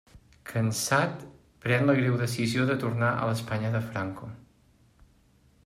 Cansat, pren la greu decisió de tornar a l'Espanya de Franco.